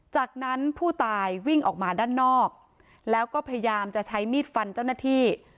จากนั้นผู้ตายวิ่งออกมาด้านนอกแล้วก็พยายามจะใช้มีดฟันเจ้าหน้าที่